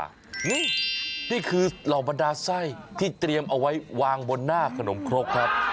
นี่นี่คือเหล่าบรรดาไส้ที่เตรียมเอาไว้วางบนหน้าขนมครกครับ